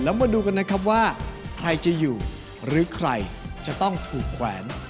แล้วมาดูกันนะครับว่าใครจะอยู่หรือใครจะต้องถูกแขวน